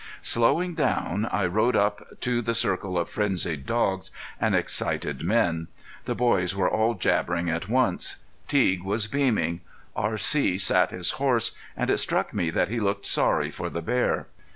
Slowing down I rode up to the circle of frenzied dogs and excited men. The boys were all jabbering at once. Teague was beaming. R.C. sat his horse, and it struck me that he looked sorry for the bear.